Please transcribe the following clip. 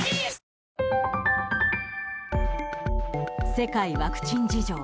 世界ワクチン事情